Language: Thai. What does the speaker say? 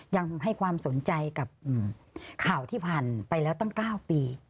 ยังให้ความสนใจกับข่าวที่ผ่านไปแล้วตั้ง๙ปี